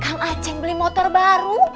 kang aceh beli motor baru